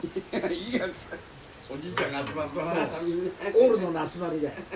オールドの集まりだよ。